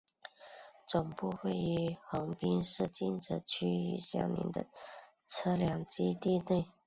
总部位于横滨市金泽区与相邻的车辆基地内。